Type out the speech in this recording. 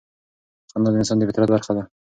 خندا د انسان د فطرت برخه ده.